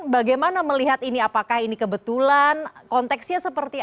bagaimana melihat ini apakah ini kebetulan apakah ini dan jika tidak maka ini juga menghargain dia